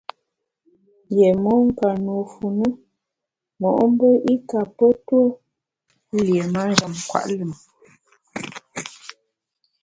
Yié mon ka nùe fu na mo’mbe i kape tue lié manjem nkwet lùm.